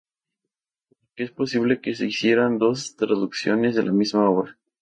Por lo que es posible que se hicieran dos traducciones de la misma obra.